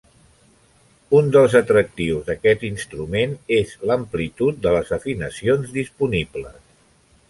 Un dels atractius d'aquest instrument és l'amplitud de les afinacions disponibles.